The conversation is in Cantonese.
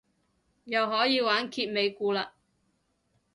又可以玩揭尾故嘞